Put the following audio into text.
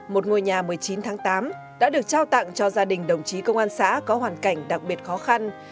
một ngôi nhà một mươi chín tháng tám đã được trao tặng cho gia đình đồng chí công an xã có hoàn cảnh đặc biệt khó khăn